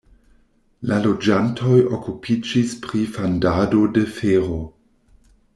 La loĝantoj okupiĝis pri fandado de fero.